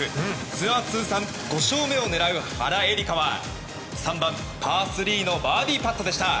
ツアー通算５勝目を狙う原英莉花は３番、パー３のバーディーパットでした。